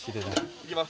いきます。